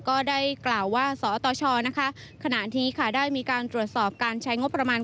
ก็ได้กล่าวว่าสตชขณะนี้ค่ะได้มีการตรวจสอบการใช้งบประมาณ